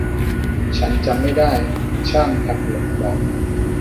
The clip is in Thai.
ฉันจำมันไม่ได้ ช่างทำหมวกบอก